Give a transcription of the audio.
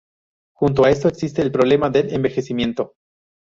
Junto a esto existe el problema del envejecimiento.